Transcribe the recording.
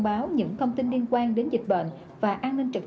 và các tỉnh phía nam diễn biến phức tạp